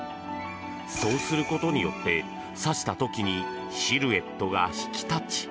そうすることによってさした時にシルエットが引き立ち。